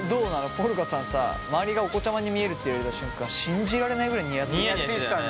ポルカさんさ周りがお子ちゃまに見えるって言われた瞬間信じられないぐらいにやついてたけど。